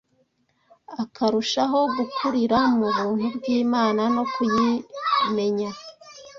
akarushaho gukurira mu buntu bw’Imana no kuyimenya